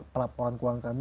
pelaporan keuangan kami